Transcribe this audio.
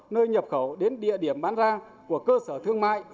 nơi nhập khẩu đến địa điểm bán ra của cơ sở thương mại